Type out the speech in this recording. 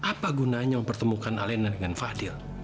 apa gunanya mempertemukan alena dengan fadil